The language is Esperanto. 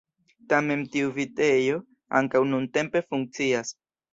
Tamen tiu vitejo ankaŭ nuntempe funkcias.